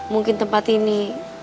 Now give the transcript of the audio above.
mungkin tempat ini